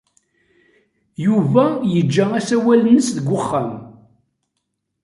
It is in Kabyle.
Yuba yeǧǧa asawal-nnes deg uxxam.